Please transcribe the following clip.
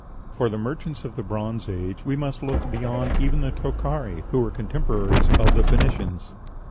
For the merchants of the Bronze Age we must look beyond even the Tokhari, who were contemporaries of the Phoenicians.